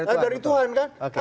dari tuhan kan